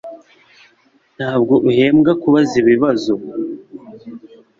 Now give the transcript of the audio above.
Ntabwo uhembwa kubaza ibibazo